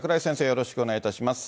よろしくお願いします。